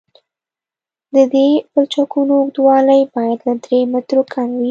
د دې پلچکونو اوږدوالی باید له درې مترو کم وي